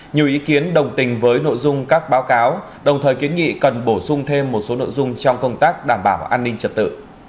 nhiều ý kiến đồng tình với nội dung các báo cáo đồng thời kiến nghị cần bổ sung thêm một số nội dung trong công tác đảm bảo an ninh trật tự